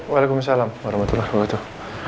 waalaikumsalam warahmatullahi wabarakatuh